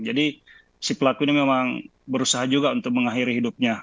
jadi si pelaku ini memang berusaha juga untuk mengakhiri hidupnya